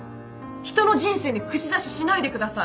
人の人生に口出ししないでください。